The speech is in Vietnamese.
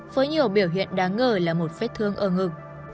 với nhiều biểu hiện đáng ngờ là một vết thương ở ngực